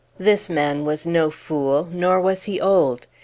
This man was no fool, nor was he old.